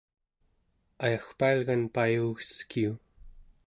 ayagpailgan payugeskiu